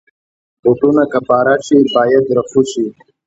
بوټونه که پاره شي، باید رفو شي.